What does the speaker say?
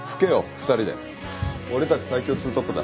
俺たち最強ツートップだ。